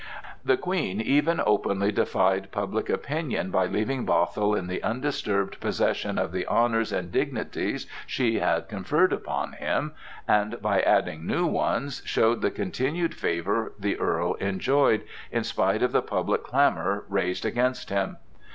The Queen even openly defied public opinion by leaving Bothwell in the undisturbed possession of the honors and dignities she had conferred upon him, and by adding new ones, showing the continued favor the Earl enjoyed, in spite of the public clamor raised against him.